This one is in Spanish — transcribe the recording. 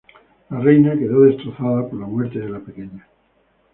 La reina quedó destrozada por la muerte de la pequeña.